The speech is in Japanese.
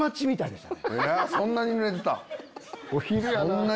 そんなにぬれてたん？